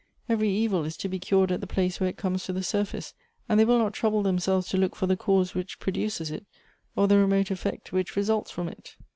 Every evil is to be cured at the place where it comes to the surface, and they will not trouble themselves to look for the cause which produces it or the remote effect which results from it.